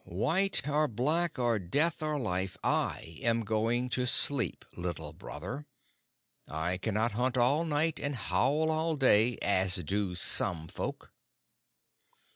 "White or black, or death or life, I am going to sleep, Little Brother. I cannot hunt all night and howl all day, as do some folk."